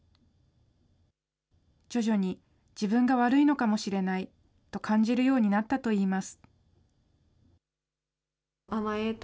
徐々に、自分が悪いのかもしれないと感じるようになったといいます。